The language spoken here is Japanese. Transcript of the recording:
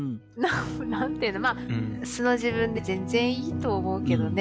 何ていうのまあ素の自分で全然いいと思うけどね。